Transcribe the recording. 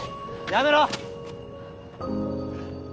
やめろ！